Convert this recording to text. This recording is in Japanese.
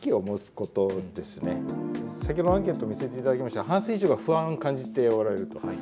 先ほどのアンケート見せていただきましたが半数以上が不安を感じておられると。